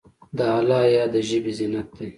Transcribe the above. د الله یاد د ژبې زینت دی.